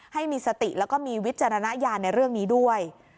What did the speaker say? ให้มีสติแล้วก็มีวิจารณญาณในเรื่องนี้ด้วย